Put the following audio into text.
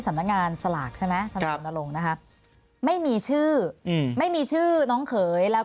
สำนักงานสลากใช่ไหมทนายรณรงค์นะคะไม่มีชื่อไม่มีชื่อน้องเขยแล้ว